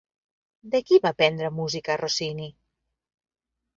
De qui va prendre música Rossini?